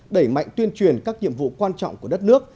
đẩy mạnh tuyên truyền các nhiệm vụ quan trọng của đất nước